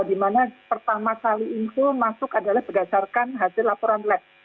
kita lihat kita pantau semua tataman di mana pertama kali info masuk adalah berdasarkan hasil laporan lab